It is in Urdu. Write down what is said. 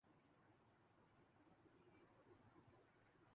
بہت عمدہ کتاب ہے۔